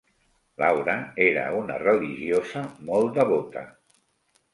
Laura era una religiosa molt devota.